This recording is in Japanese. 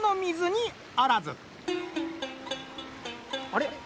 あれ？